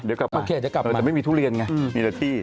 เราจะไม่มีทุเรียนไงมีแต่ที่